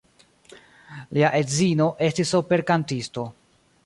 Lia edzino estis operkantisto.